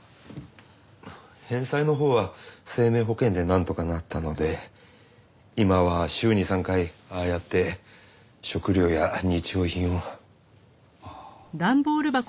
返済のほうは生命保険でなんとかなったので今は週に３回ああやって食料や日用品を。